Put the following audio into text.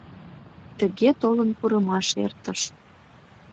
Тыге толын пурымаш эртыш.